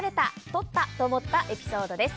とった！と思ったエピソードです。